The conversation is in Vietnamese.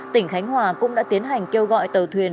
tỉnh khánh hòa cũng đã tiến hành kêu gọi tàu thuyền